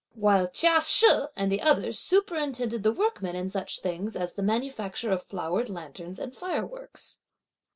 While Chia She and the others superintended the workmen in such things as the manufacture of flowered lanterns and fireworks.